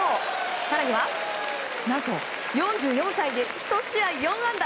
更には何と４４歳で１試合４安打。